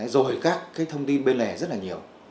rồi các thông tin bên lề rất là nhiều